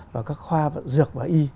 và các khoa dược và y